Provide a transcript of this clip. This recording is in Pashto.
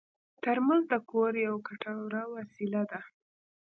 ترموز د کور یوه ګټوره وسیله ده.